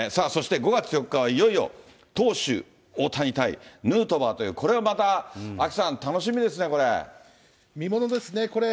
さあ、そして５月４日は、いよいよ投手、大谷対ヌートバーという、これがまたアキさん、楽しみですね、見ものですね。